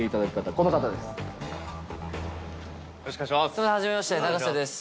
そんなはじめまして永瀬です。